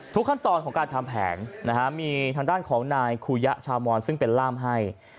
ขั้นตอนของการทำแผนมีทางด้านของนายคูยะชาวมอนซึ่งเป็นล่ามให้